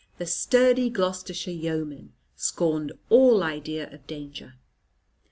The sturdy Gloucestershire yeomen scorned all idea of danger.